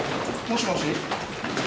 もしもーし。